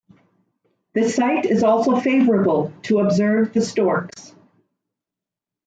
The site is also favorable to observe the storks.